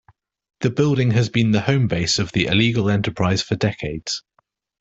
The building has been the home base of the illegal enterprise for decades.